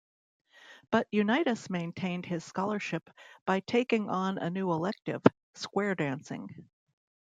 But Unitas maintained his scholarship by taking on a new elective: square dancing.